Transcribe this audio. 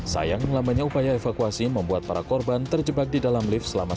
sayang lambannya upaya evakuasi membuat para korban terjebak di dalam lift selama satu jam